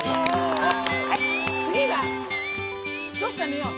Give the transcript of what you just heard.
次はどうしたのよ？